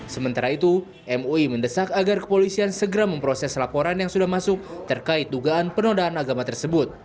sementara itu mui mendesak agar kepolisian segera memproses laporan yang sudah masuk terkait dugaan penodaan agama tersebut